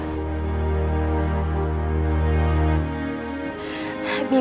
kamu masih cinta ya bim sama meika